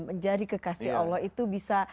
menjadi kekasih allah itu bisa